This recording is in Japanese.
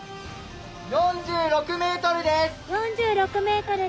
４６ｍで。